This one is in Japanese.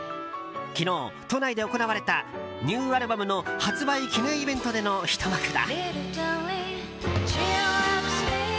昨日、都内で行われたニューアルバムの発売記念イベントでのひと幕だ。